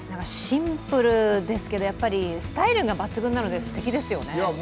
シンプルですけど、スタイルが抜群なので、すてきですよね。